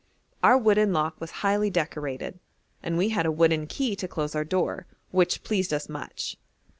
Our wooden lock was highly decorated, and we had a wooden key to close our door, which pleased us much.